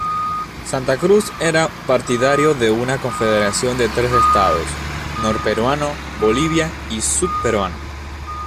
Santa Cruz era partidario de una confederación de tres estados: Nor-Peruano, Bolivia y Sud-Peruano.